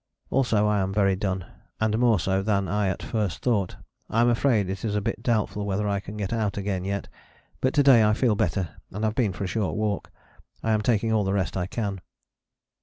Also I am very done, and more so than I at first thought: I am afraid it is a bit doubtful whether I can get out again yet, but to day I feel better and have been for a short walk. I am taking all the rest I can."